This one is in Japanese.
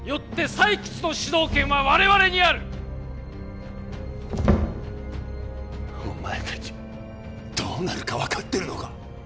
採掘の主導権は我々にあるお前たちどうなるか分かってるのか